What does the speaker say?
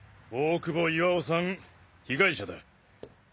大久保岩男さん被害者だ。